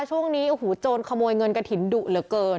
ช่วงนี้โอ้โหโจรขโมยเงินกระถิ่นดุเหลือเกิน